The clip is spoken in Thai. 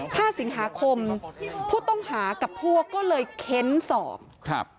ห้าสิงหาคมผู้ต้องหากับพวกก็เลยเค้นสอบครับ